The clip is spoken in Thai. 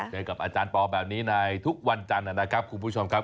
เจอกับอาจารย์ปอแบบนี้ในทุกวันจันทร์นะครับคุณผู้ชมครับ